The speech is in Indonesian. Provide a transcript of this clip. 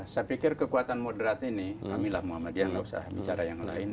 saya pikir kekuatan moderat ini kamilah muhammadiyah nggak usah bicara yang lain